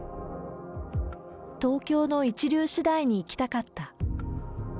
東京の一流私大に行きたかった。